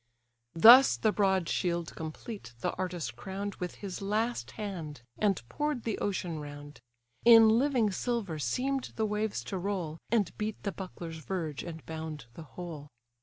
Thus the broad shield complete the artist crown'd With his last hand, and pour'd the ocean round: In living silver seem'd the waves to roll, And beat the buckler's verge, and bound the whole.